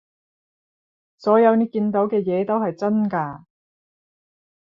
所有你見到嘅嘢都係真㗎